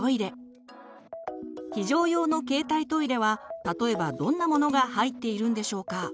非常用の携帯トイレは例えばどんなものが入っているんでしょうか。